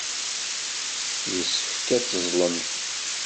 Yessefk ad teẓẓlemt.